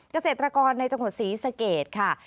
เกษตรกรในจังหวัดศรีสะเกดค่ะ